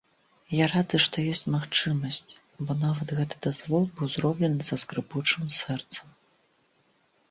Я рады, што ёсць магчымасць, бо нават гэты дазвол быў зроблены са скрыпучым сэрцам.